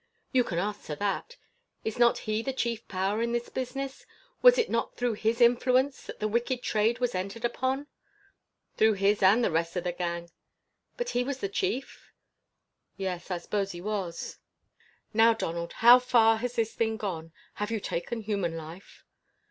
"You can answer that. Is not he the chief power in this business? Was it not through his influence that the wicked trade was entered upon?" "Through his and the rest of the gang." "But he was the chief?" "Yes, I s'pose he was." "Now, Donald, how far has this thing gone? Have you taken human life?"